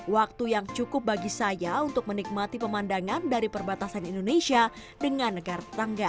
waktu yang cukup bagi saya untuk menikmati pemandangan dari perbatasan indonesia dengan negara tetangga